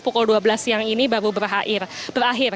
pukul dua belas siang ini baru berakhir